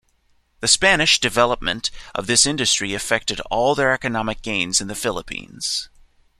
The Spanish development of this industry affected all their economic gains in the Philippines.